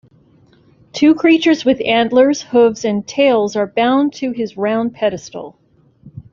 Two creatures with antlers, hooves and tails are bound to his round pedestal.